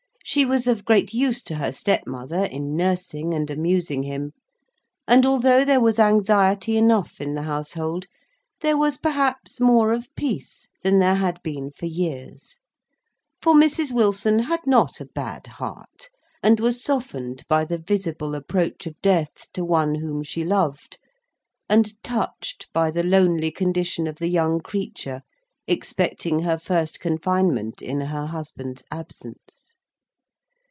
She was of great use to her step mother in nursing and amusing him; and, although there was anxiety enough in the household, there was perhaps more of peace than there had been for years; for Mrs. Wilson had not a bad heart, and was softened by the visible approach of death to one whom she loved, and touched by the lonely condition of the young creature, expecting her first confinement in her husband's absence.